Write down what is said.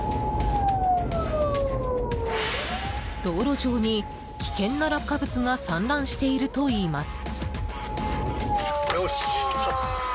道路上に危険な落下物が散乱しているといいます。